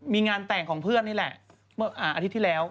มีงานแต่งของเพื่อนนี่แหละเมื่ออาทิตย์ที่แล้ว